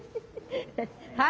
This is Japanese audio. はい。